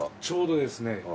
ちょうどですね